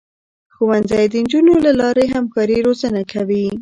ښوونځی د نجونو له لارې همکاري روزنه کوي.